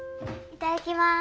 いただきます。